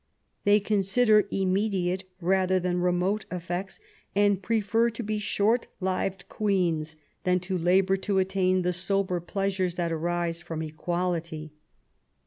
They consider immediate rather than remote effects, and prefer to be '^ short lived queens than to labour to attain the sober pleasures that arise from equa lity.